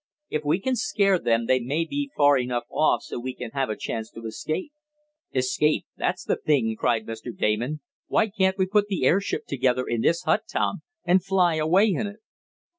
If we can scare them they may keep far enough off so we can have a chance to escape." "Escape! That's the thing!" cried Mr. Damon. "Why can't we put the airship together in this hut, Tom, and fly away in it?"